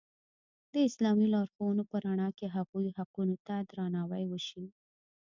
د اسلامي لارښوونو په رڼا کې هغوی حقونو ته درناوی وشي.